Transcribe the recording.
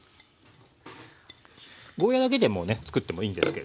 ゴーヤーだけでもねつくってもいいんですけれどもね